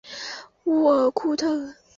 乌尔库特。